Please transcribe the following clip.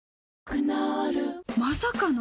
クノールまさかの！？